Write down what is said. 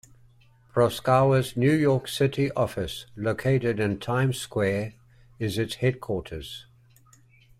Proskauer's New York City office, located in Times Square, is its headquarters.